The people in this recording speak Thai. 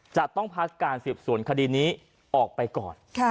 จะต้องพักการสืบสวนคดีนี้ออกไปก่อน